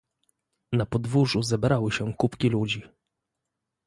"Na podwórzu zebrały się kupki ludzi."